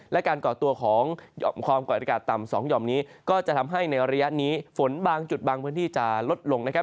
และการก่อตัวของห่อมความกดอากาศต่ำ๒หย่อมนี้ก็จะทำให้ในระยะนี้ฝนบางจุดบางพื้นที่จะลดลงนะครับ